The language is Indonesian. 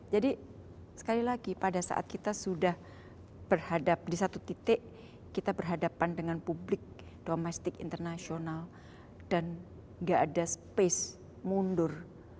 jadi sekali lagi pada saat kita sudah berhadap di satu titik kita berhadapan dengan publik domestik internasional dan gak ada space mundur